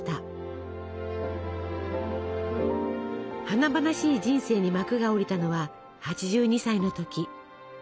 華々しい人生に幕が下りたのは８２歳の時。